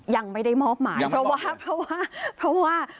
ยังไม่ได้มอบหมายเพราะว่า